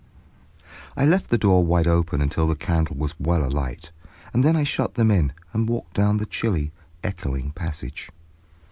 I left the door wide open until the candle was well alight, and then I shut them in, and walked down the chilly, echoing passage.